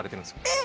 え！